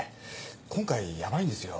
今回ヤバいんですよ